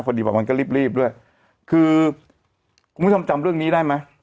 พอดีว่ามันก็รีบรีบด้วยคือคุณคุณทำจำเรื่องนี้ได้ไหม